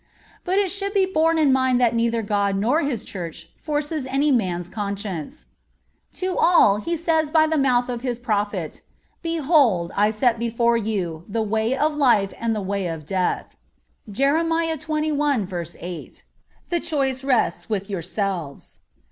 But it should be borne in mind that neither God nor His Church forces any man's conscience. To all He says by the mouth of His Prophet: "Behold I set before you the way of life and the way of death." (Jer. xxi. 8.) The choice rests with yourselves.